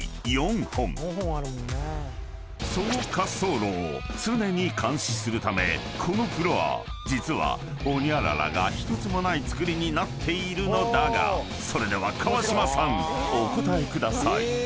［その滑走路を常に監視するためこのフロア実はホニャララが１つもない造りになっているのだがそれでは川島さんお答えください］